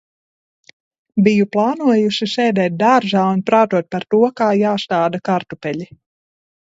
Biju plānojusi sēdēt dārzā un prātot par to, kā jāstāda kartupeļi.